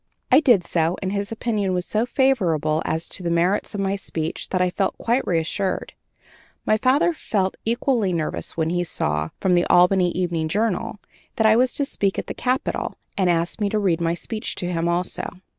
I did so, and his opinion was so favorable as to the merits of my speech that I felt quite reassured. My father felt equally nervous when he saw, by the Albany Evening Journal, that I was to speak at the Capitol, and asked me to read my speech to him also.